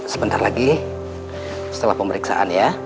sebentar lagi setelah pemeriksaan ya